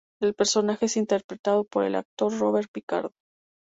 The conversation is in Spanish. El personaje es interpretado por el actor Robert Picardo.